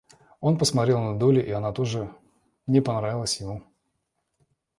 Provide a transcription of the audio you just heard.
Он посмотрел на Долли, и она тоже не понравилась ему.